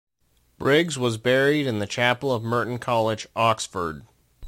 Briggs was buried in the chapel of Merton College, Oxford.